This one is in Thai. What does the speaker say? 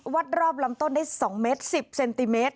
รอบลำต้นได้๒เมตร๑๐เซนติเมตร